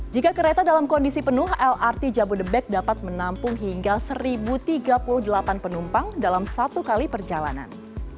jika kereta dalam kondisi penuh lrt jabodebek dapat menampung hingga satu tiga puluh delapan penumpang dalam satu kali perjalanan